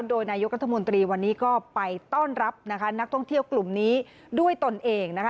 โดยนายกรัฐมนตรีวันนี้ก็ไปต้อนรับนะคะนักท่องเที่ยวกลุ่มนี้ด้วยตนเองนะคะ